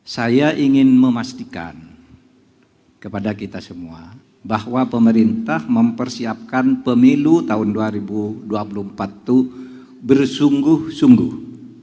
saya ingin memastikan kepada kita semua bahwa pemerintah mempersiapkan pemilu tahun dua ribu dua puluh empat itu bersungguh sungguh